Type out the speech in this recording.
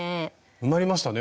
埋まりましたね